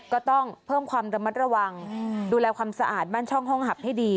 ก็ต้องเพิ่มความระมัดระวังดูแลความสะอาดบ้านช่องห้องหับให้ดี